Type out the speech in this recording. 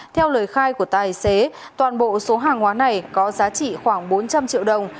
theo lời khai của tài xế toàn bộ số hàng hóa này có giá trị khoảng bốn trăm linh triệu đồng